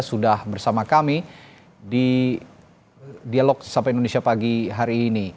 sudah bersama kami di dialog sampai indonesia pagi hari ini